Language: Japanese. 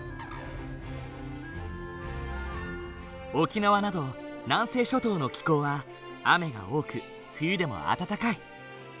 沖縄など南西諸島の気候は雨が多く冬でも暖かい。